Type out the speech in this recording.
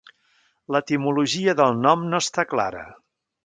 L'etimologia del nom no està clara.